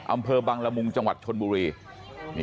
อำเภอบังละมุงจังหวัดชนบุรี